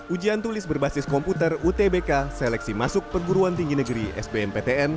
ujian tulis berbasis komputer utbk seleksi masuk perguruan tinggi negeri sbmptn